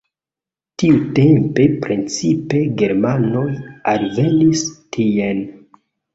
Tiutempe precipe germanoj alvenis tien.